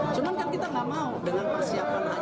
cuman kan kita gak mau dengan persiapan hanya tiga bulan